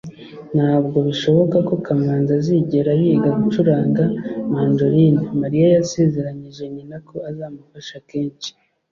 ntabwo bishoboka ko kamanzi azigera yiga gucuranga mandoline. mariya yasezeranyije nyina ko azamufasha kenshi